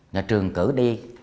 nhà trường cử đi